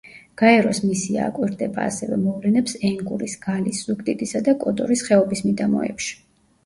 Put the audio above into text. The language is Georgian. გაეროს მისია აკვირდება ასევე მოვლენებს ენგურის, გალის, ზუგდიდისა და კოდორის ხეობის მიდამოებში.